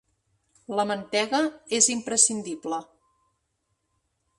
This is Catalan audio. La mantega és imprescindible.